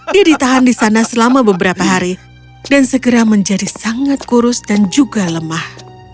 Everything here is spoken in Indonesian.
dia ditahan di sana selama beberapa hari dan segera menjadi sangat kurus dan juga lemah